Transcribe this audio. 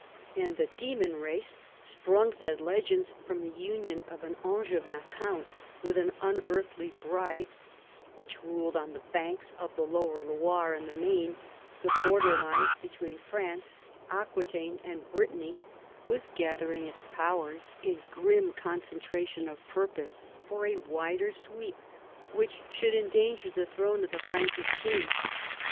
And the demon race, sprung, said legends, from the union of an Angevin count with an unearthly bride, which ruled on the banks of the lower Loire and the Maine, the borderland between France, Aquitaine, and Brittany, was gathering its powers in grim concentration of purpose for a wider sweep, which should endanger the throne of the Frankish king.